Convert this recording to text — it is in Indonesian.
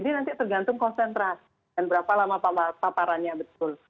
ini nanti tergantung konsentrasi dan berapa lama paparannya betul